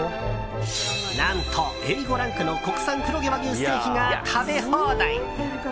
何とＡ５ランクの国産黒毛和牛ステーキが食べ放題。